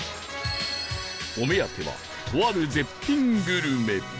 お目当てはとある絶品グルメ